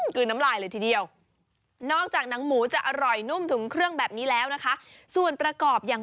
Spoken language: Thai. คืนน้ำลายเลยทีเดียวนอกจากหนังหมูจะอร่อยนุ่มถึงเครื่องแบบนี้แล้วนะคะส่วนประกอบอย่าง